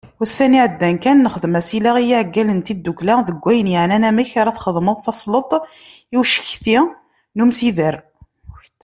Ussan iɛeddan kan, nexdem asileɣ i yiɛeggalen n tddukkla deg wayen yeɛnan amek ara txedmeḍ tasleḍt i ucekti n umsider.